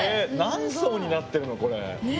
何層になってるのこれ。ね！